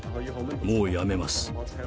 もうやめます。